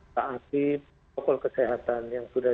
taati protokol kesehatan yang sudah